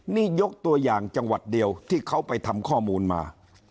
นี่ยกตัวอย่างจังหวัดเดียวที่เขาไปทำข้อมูลมา